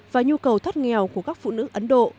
và nhu cầu thoát nghèo của các phụ nữ ấn độ